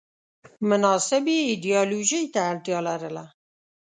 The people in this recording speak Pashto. مناسبې ایدیالوژۍ ته اړتیا لرله